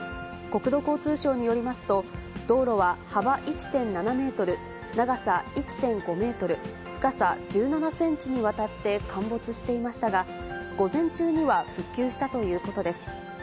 国土交通省によりますと、道路は幅１．７メートル、長さ１．５メートル、深さ１７センチにわたって陥没していましたが、午前中には復旧したということです。